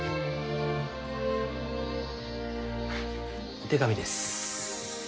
お手紙です。